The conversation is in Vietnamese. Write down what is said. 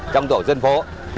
trong tổ dân phố